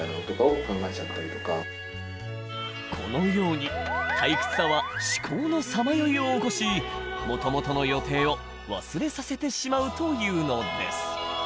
このように退屈さは思考のさまよいを起こしもともとの予定を忘れさせてしまうというのです。